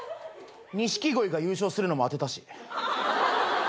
錦鯉が優勝するのも当てたし。